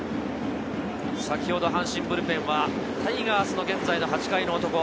先ほど阪神ブルペンはタイガースの現在の８回の男。